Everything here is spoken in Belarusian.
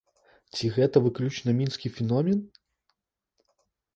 Ці гэта выключна мінскі феномен?